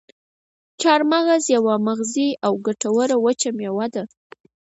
چارمغز یوه مغذي او ګټوره وچه میوه ده.